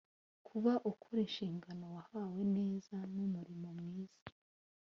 kuba ukora inshingano wahawe neza n’umulimo mwiza.